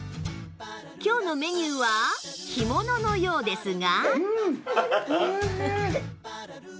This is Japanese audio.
今日のメニューは干物のようですが